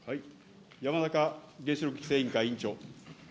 山中原子力規制委員会委員長。